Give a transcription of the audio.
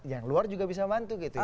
yang luar juga bisa bantu gitu ya